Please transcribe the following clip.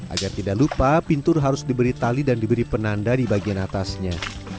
agar tidak lupa pintur harus diberi tali dan diberi penanda di bagian atasnya